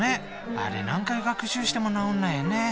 あれ何回学習しても直んないよね。